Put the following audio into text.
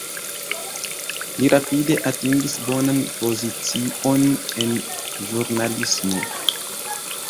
Li rapide atingis bonan pozicion en ĵurnalismo.